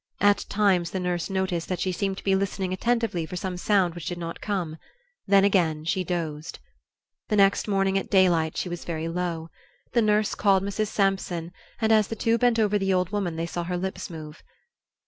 At times the nurse noticed that she seemed to be listening attentively for some sound which did not come; then again she dozed. The next morning at daylight she was very low. The nurse called Mrs. Sampson and as the two bent over the old woman they saw her lips move.